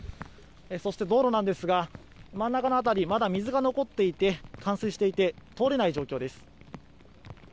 そして、道路なんですが真ん中の辺りまだ水が残っていて冠水していて通れない状況です。